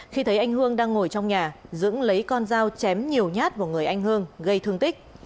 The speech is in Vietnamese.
khi thấy anh hương đang ngồi trong nhà dưỡng lấy con dao chém nhiều nhát vào người anh hương gây thương tích